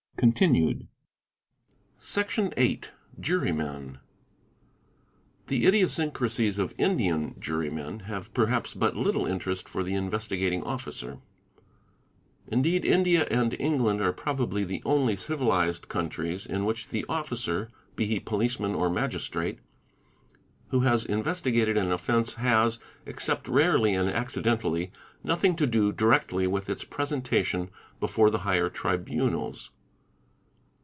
|| Section viii—Jurymen®—), : The idiosyncracies of Indian Jurymen have perhaps but little interest for the Investigating Officer ; indeed India and England are probably the only civilised countries, in which the officer, be he policeman or magistrate, — who has investigated an offence has, except rarely and accidentally, nothing to do directly with its presentation before the higher tribunals.